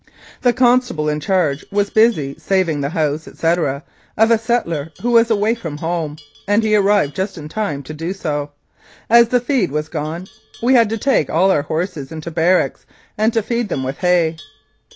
The constable in charge was busy saving the house, etc., of a settler who was away from home, and he arrived just in time to do so. As the feed was gone we had to take all our horses into barracks and to feed them with hay.